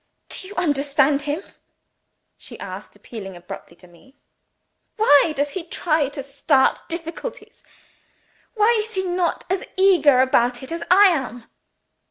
Do you understand him?" she asked, appealing abruptly to me. "Why does he try to start difficulties? why is he not as eager about it as I am?"